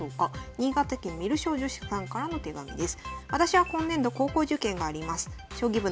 新潟県観る将女子さんからの手紙です。